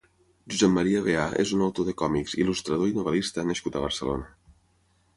Josep Maria Beà és un autor de còmics, il·lustrador i novel·lista nascut a Barcelona.